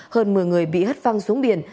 hơn một mươi người bị hất văng xuống biển